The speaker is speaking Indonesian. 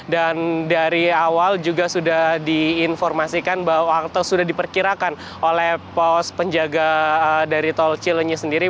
dan dari awal juga sudah diinformasikan bahwa atau sudah diperkirakan oleh pos penjaga dari tol cileni sendiri